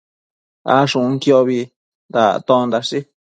Ashunquiobi dactondashi